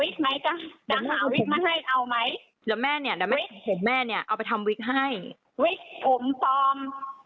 ก็เอาวิกไม่เอาวิกไหมจ๊ะดังเอาวิกมาให้เอาไหม